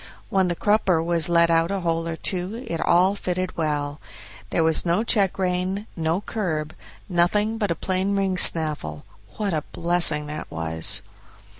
When the crupper was let out a hole or two it all fitted well. There was no check rein, no curb, nothing but a plain ring snaffle. What a blessing that was!